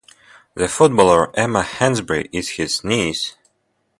The footballer Emma Hansberry is his niece.